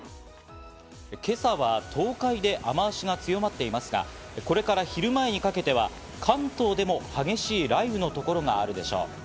今朝は東海で雨脚が強まっていますが、これから昼前にかけては、関東でも激しい雷雨の所があるでしょう。